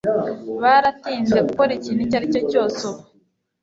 Biratinze gukora ikintu icyo aricyo cyose ubu